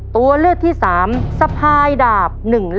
ตัวเลือกที่๓สะพายดาบ๑๑